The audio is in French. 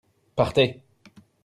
Partez !